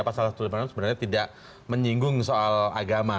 pasal satu ratus lima puluh enam sebenarnya tidak menyinggung soal agama